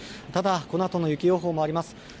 ただ、このあとの雪予報もあります。